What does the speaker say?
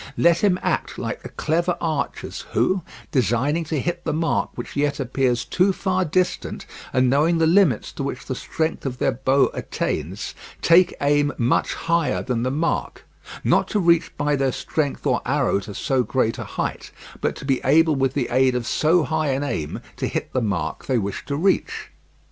Let him act like the clever archers who, designing to hit the mark which yet appears too far distant, and knowing the limits to which the strength of their bow attains, take aim much higher than the mark, not to reach by their strength or arrow to so great a height, but to be able with the aid of so high an aim to hit the mark they wish to reach.